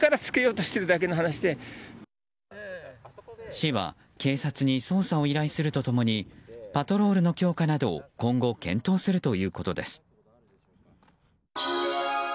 市は警察に捜査を依頼すると共にパトロールの強化などを今後、検討するということです。